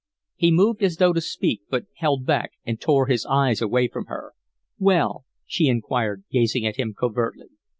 He moved as though to speak, but held back and tore his eyes away from her. "Well," she inquired, gazing at him covertly.